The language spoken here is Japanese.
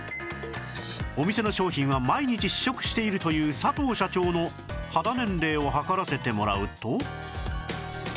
お店の商品は毎日試食しているという佐藤社長の肌年齢を測らせてもらうと